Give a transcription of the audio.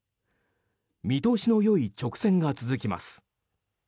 見通しのよい直線が続きます。